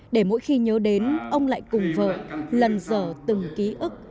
để mỗi khi nhớ đến ông lại cùng vợ lần dở từng ký ức